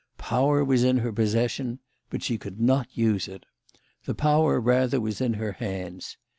Power was in her possession but she could not use it. The power rather was in her hands.